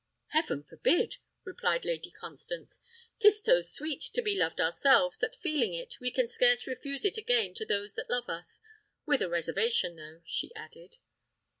"Heaven forbid!" replied Lady Constance. "'Tis so sweet to be loved ourselves, that feeling it, we can scarce refuse it again to those that love us: with a reservation, though," she added.